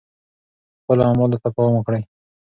خپلو اعمالو ته پام وکړئ.